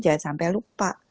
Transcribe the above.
jangan sampai lupa